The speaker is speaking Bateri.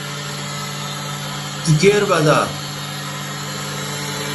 تو کیر بزا